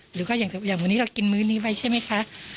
หรือก็อย่างวันนี้เรากินมื้อนี้ไปใช่ไหมคะ